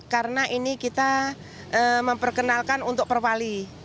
karena ini kita memperkenalkan untuk perwali